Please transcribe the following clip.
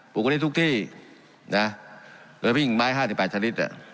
ปลูกกันได้ทุกที่น่ะหรือพิ่งไม้ห้าสิบแปดชนิดอ่ะ